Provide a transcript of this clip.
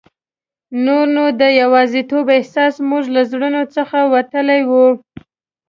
نور نو د یوازیتوب احساس زموږ له زړونو څخه وتلی وو.